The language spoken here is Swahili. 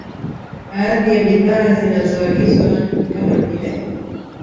Baadhi ya bidhaa zinazoagizwa ni kama vile